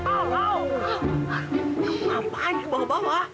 kamu ngapain ke bawah bawah